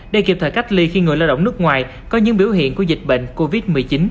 để kịp thời cách ly khi người lao động nước ngoài có những biểu hiện của dịch bệnh covid một mươi chín